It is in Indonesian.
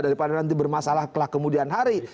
daripada nanti bermasalah kemudian hari